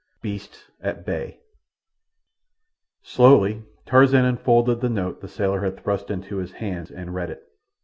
Beasts at Bay Slowly Tarzan unfolded the note the sailor had thrust into his hand, and read it.